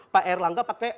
pak erlangga pakai